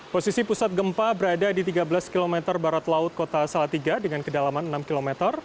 posisi pusat gempa berada di tiga belas km barat laut kota salatiga dengan kedalaman enam km